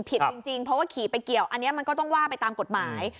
ผิดจริงเพราะว่าขี่ไปเกี่ยวอันนี้มันก็ต้องว่าไปตามกฎหมาย